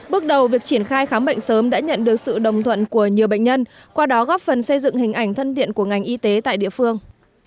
bước đầu việc triển khai khám bệnh sớm đã nhận được sự đồng thuận của nhiều bệnh nhân qua đó góp phần xây dựng hình ảnh thân thiện của ngành y tế tại địa phương